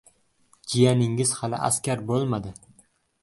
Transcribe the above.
— Jiyaningiz hali askar bo‘lmadi.